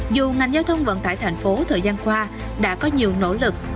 dù ngành giao thông vận tải thành phố thời gian qua đã có nhiều nỗ lực